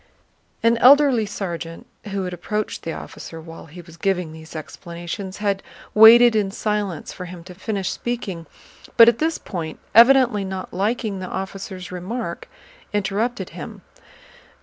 An elderly sergeant who had approached the officer while he was giving these explanations had waited in silence for him to finish speaking, but at this point, evidently not liking the officer's remark, interrupted him.